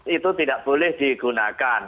itu tidak boleh digunakan